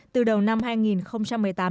từ đầu năm hai nghìn một mươi bảy